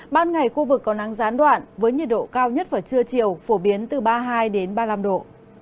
ban ngày khu vực có nắng gián đoạn với nhiệt độ cao nhất vào trưa chiều phổ biến từ ba mươi hai ba mươi năm độ